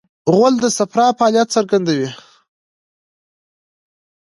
غول د صفرا فعالیت څرګندوي.